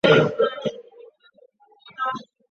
软体互锁机制在有竞争危害时会失效。